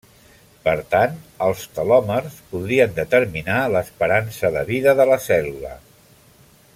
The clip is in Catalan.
Per tant, els telòmers podrien determinar l'esperança de vida de la cèl·lula.